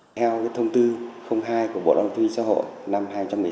theo thông tư hai của bộ đoàn tuyên xã hội năm hai nghìn một mươi sáu